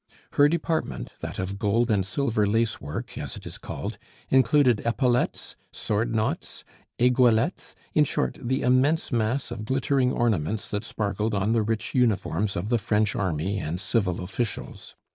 Her department, that of gold and silver lace work, as it is called, included epaulettes, sword knots, aiguillettes; in short, the immense mass of glittering ornaments that sparkled on the rich uniforms of the French army and civil officials.